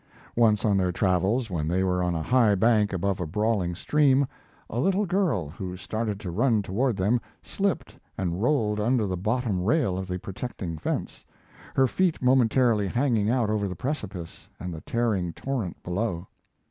Once on their travels, when they were on a high bank above a brawling stream, a little girl, who started to run toward them, slipped and rolled under the bottom rail of the protecting fence, her feet momentarily hanging out over the precipice and the tearing torrent below.